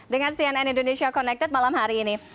dengan cnn indonesia connected malam hari ini